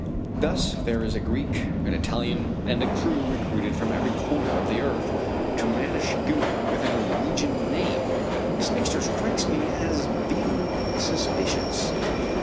Thus there is a Greek, an Italian, and a crew recruited from every corner of the earth to man a schooner with a Norwegian name! This mixture strikes me as being suspicious.